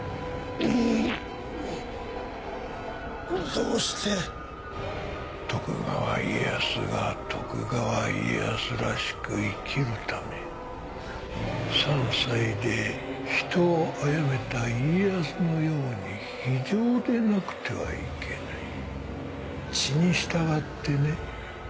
どうして徳川家康が徳川家康らしく生きるため３歳で人を殺めた家康のように非情でなくてはいけない血に従ってね